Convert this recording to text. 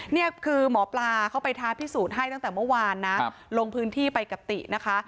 นี่คือหมอปลาเขาไปท้าพิสูจน์ให้ตั้งแต่เมื่อวานนะลงพื้นที่ไปกับตินะคะ